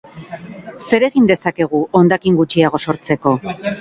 Zer egin dezakegu hondakin gutxiago sortzeko?